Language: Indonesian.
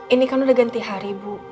ini kan udah ganti hari ibu